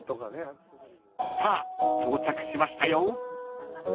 ［さあ到着しましたよ］